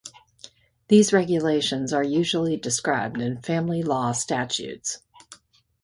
These regulations are usually described in family law statutes.